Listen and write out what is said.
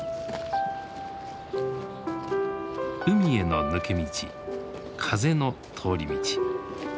海への抜け道風の通り道。